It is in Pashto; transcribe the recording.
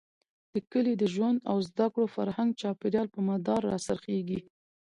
د کلي د ژوند او زده کړو، فرهنګ ،چاپېريال، په مدار را څرخېږي.